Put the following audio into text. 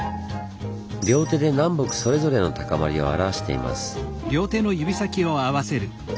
両手で南北それぞれの高まりを表しています。